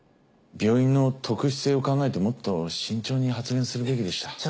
病院の特殊性を考えてもっと慎重に発言するべきでした。